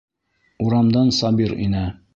Урамдан Сабир инә.